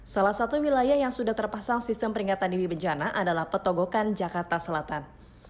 salah satu wilayah yang sudah terpasang sistem peringatan dini bencana adalah petogokan jakarta selatan